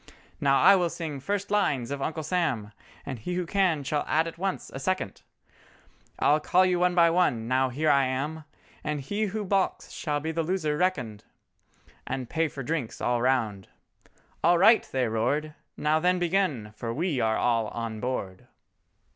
Now I will sing 'first lines' of 'Uncle Sam,' And he who can shall add at once a second, I'll call you one by one—now here I am, And he who balks shall be the loser reckoned, And pay for drinks all round"— "All right," they roared, "Now then begin, for we are all on board!"